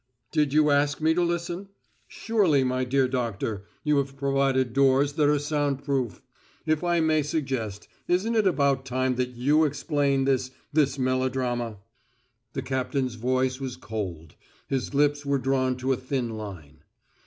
"Did you ask me to listen? Surely, my dear Doctor, you have provided doors that are sound proof. If I may suggest, isn't it about time that you explain this this melodrama?" The captain's voice was cold; his lips were drawn to a thin line.